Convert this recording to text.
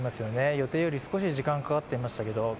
予定より少し時間がかかってましたけど。